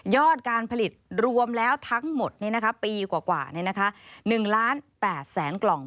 การผลิตรวมแล้วทั้งหมดปีกว่า๑ล้าน๘แสนกล่อง